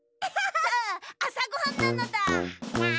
さああさごはんなのだ！